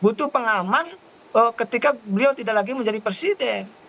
butuh pengaman ketika beliau tidak lagi menjadi presiden